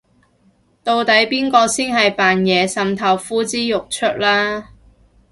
到底邊個先係扮嘢滲透呼之欲出啦